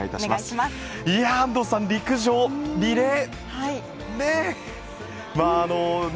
安藤さん、陸上リレーね。